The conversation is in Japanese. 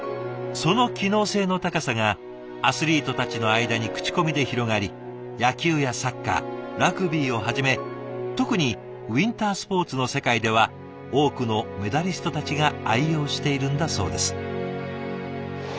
その機能性の高さがアスリートたちの間に口コミで広がり野球やサッカーラグビーをはじめ特にウインタースポーツの世界では多くのメダリストたちが愛用しているんだそうです。